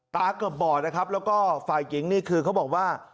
ตาเกิบบ่อยแล้วก็ฝ่ายหญิงโอเคบอกว่า